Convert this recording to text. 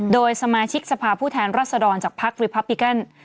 โดยสมาชิกสภาพผู้แทนรัศดรจากภักดิพับปิกัน